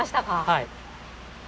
はい。